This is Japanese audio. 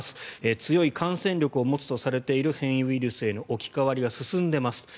強い感染力を持つとされている変異ウイルスへの置き換わりが進んでます。